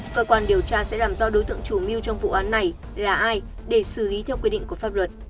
cơ quan điều tra sẽ làm do đối tượng chủ mưu trong vụ án này là ai để xử lý theo quy định của pháp luật